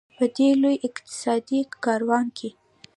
په دې لوی اقتصادي کاروان کې.